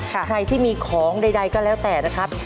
ใครที่มีของใดก็แล้วแต่นะครับ